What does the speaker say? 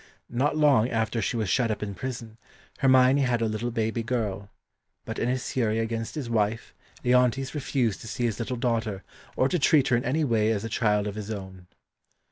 Not long after she was shut up in prison, Hermione had a little baby girl, but in his fury against his wife Leontes refused to see his little daughter, or to treat her in any way as a child of his own.